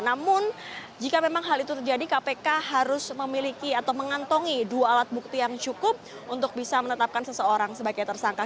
namun jika memang hal itu terjadi kpk harus memiliki atau mengantongi dua alat bukti yang cukup untuk bisa menetapkan seseorang sebagai tersangka